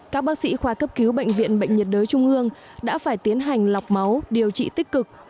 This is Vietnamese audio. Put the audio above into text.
các bác sĩ khoa cấp cứu bệnh viện bệnh nhiệt đới trung ương đã phải tiến hành lọc máu điều trị tích cực